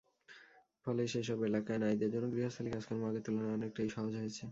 ফলে সেসব এলাকায় নারীদের জন্য গৃহস্থালি কাজকর্ম আগের তুলনায় অনেকটাই সহজ হয়েছে।